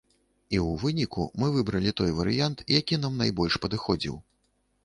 І ў выніку мы выбралі той варыянт, які нам найбольш падыходзіў.